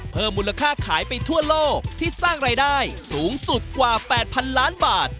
เพิ่มมูลค่าขายไปทั่วโลกที่สร้างรายได้สูงสุดกว่า๘๐๐๐ล้านบาท